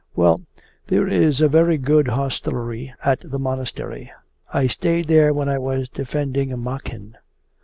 'Well, there is a very good hostelry at the Monastery. I stayed there when I was defending Makhin.